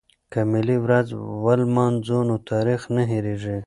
که ملي ورځ ولمانځو نو تاریخ نه هیریږي.